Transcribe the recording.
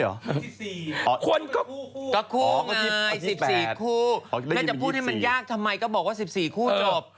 หญิง๒๔คนก็ก็คู่ไง๑๔คู่แม่งจะพูดให้มันยากทำไมก็บอกว่า๑๔คู่จบ